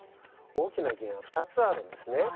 大きな理由が２つあるんですね。